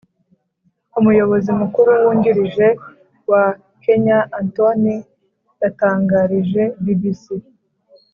umuyobozi mukuru wungirije wa kenyaantony yatangarije bbc